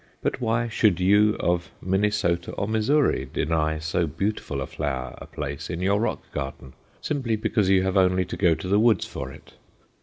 But why should you of Minnesota or Missouri deny so beautiful a flower a place in your rock garden, simply because you have only to go to the woods for it?